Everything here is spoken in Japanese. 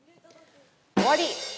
終わり！